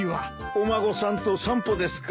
お孫さんと散歩ですか？